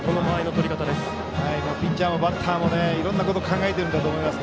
ピッチャーもバッターもいろんなこと考えていると思います。